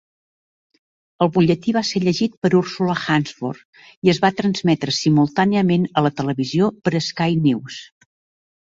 El butlletí va ser llegit per Ursula Hansford, i es va transmetre simultàniament a la televisió per Sky News.